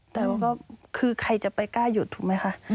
แต่ว่าก็คือใครจะไปกล้าหยุดถูกไหมคะ